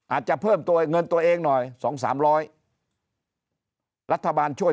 อาจจะเพิ่มตัวเงินตัวเองหน่อย๒๓๐๐รัฐบาลช่วย